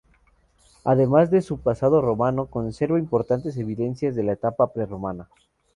Además de su pasado romano conserva importantes evidencias de la etapa prerromana.